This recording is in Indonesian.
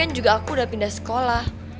juga aku udah pindah sekolah